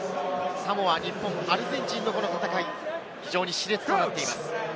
サモア、日本、アルゼンチンのこの戦い、非常にし烈となっています。